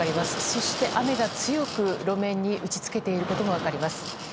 そして、雨が強く路面に打ち付けていることも分かります。